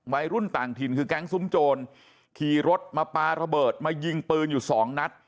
วัยรุ่นต่างถิ่นคือแก๊งซุ้มโจรขี่รถมาปลาระเบิดมายิงปืนอยู่สองนัด